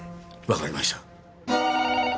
わかりました。